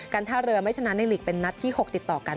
ท่าเรือไม่ชนะในลีกเป็นนัดที่๖ติดต่อกัน